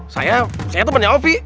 saya saya temannya ovi